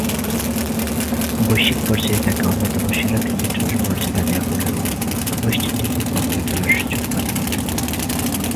বৈশ্বিক পর্যায়ে তাকে অন্যতম সেরা ক্রিকেটারের মর্যাদা দেয়া হলেও ওয়েস্ট ইন্ডিজের পক্ষে টেস্ট খেলার সুযোগ পাননি।